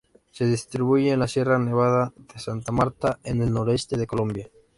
Se distribuye en la Sierra Nevada de Santa Marta, en el noreste de Colombia.